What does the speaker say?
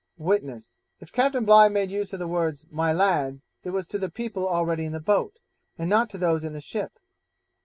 Witness If Captain Bligh made use of the words "my lads," it was to the people already in the boat, and not to those in the ship.'